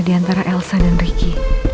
diantara elsa dan ricky